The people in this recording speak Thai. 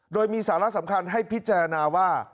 โดยมีสาระสำคัญให้พิจารณาว่า